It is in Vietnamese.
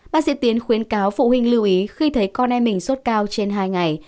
bác sĩ tiến khuyến cáo phụ huynh lưu ý khi thấy con em mình sốt cao trên hai ngày